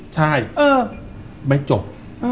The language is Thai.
ใช่ไม่จบ